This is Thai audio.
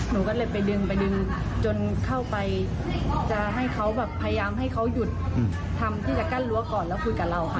หนูก็เลยไปดึงไปดึงจนเข้าไปจะให้เขาแบบพยายามให้เขาหยุดทำที่จะกั้นรั้วก่อนแล้วคุยกับเราค่ะ